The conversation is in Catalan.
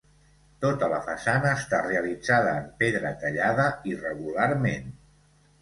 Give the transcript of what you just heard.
Tota la façana està realitzada en pedra tallada irregularment.